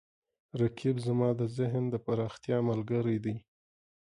رقیب زما د ذهن د پراختیا ملګری دی